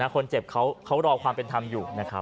คนเจ็บเขารอความเป็นธรรมอยู่นะครับ